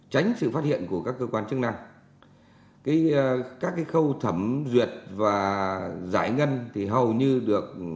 tránh sự phát hiện của các cơ quan chức năng các khâu thẩm duyệt và giải ngân thì hầu như được